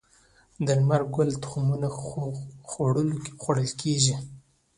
د لمر ګل تخمونه خوړل کیږي